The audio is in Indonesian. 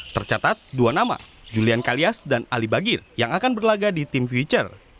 tercatat dua nama julian kalias dan ali bagir yang akan berlaga di tim future